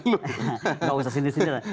gak usah menyindir sindir